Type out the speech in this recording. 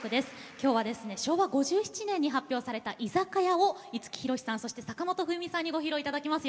きょうは昭和５７年に発表された「居酒屋」を五木ひろしさん、そして坂本冬美さんにご披露いただきます。